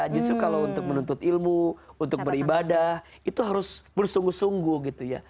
justru kalau untuk menuntut ilmu untuk beribadah itu harus bersungguh sungguh gitu ya